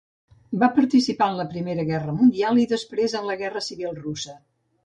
Va participar en la Primera Guerra mundial i després en la Guerra Civil russa.